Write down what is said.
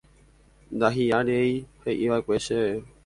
Ndahi'aréi he'iva'ekue chéve.